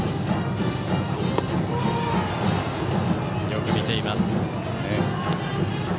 よく見ています。